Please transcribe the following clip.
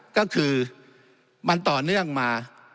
ก็คือมันต่อเนื่องมา